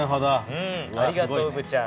ありがとううぶちゃん。